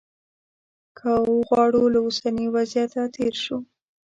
که وغواړو له اوسني وضعیته تېر شو.